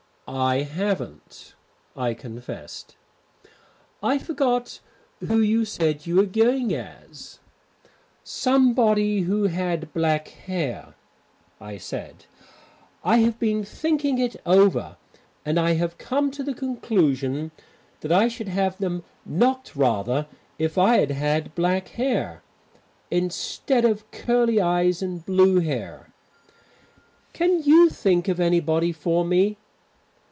"I haven't," I confessed. "I forgot who you said you were going as?" "Somebody who had black hair," I said. "I have been thinking it over and I have come to the conclusion that I should have knocked them rather if I had had black hair. Instead of curly eyes and blue hair. Can you think of anybody for me?"